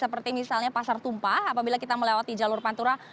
seperti misalnya pasar tumpah apabila kita melewati jalur pantura